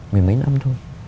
mười mấy năm thôi